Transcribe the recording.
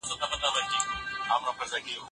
ایا سوسیالستي نړۍ پر بنسټ ولاړه ده؟